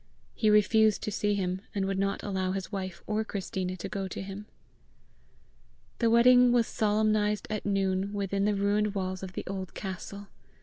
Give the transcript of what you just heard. He refused to see him, and would not allow his wife or Christina to go to him. The wedding was solemnized at noon within the ruined walls of the old castle.